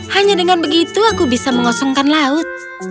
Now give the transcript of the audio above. hanya dengan begitu aku bisa mengosongkan laut